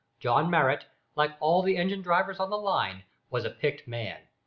John Marrot, like all the engine drivers on the line, was a picked man.